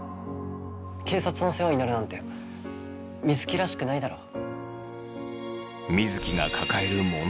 警察の世話になるなんて水城らしくないだろう。